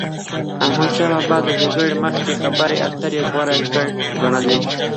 احمدشا بابا به د جګړی مخکي خبري اتري غوره ګڼلې.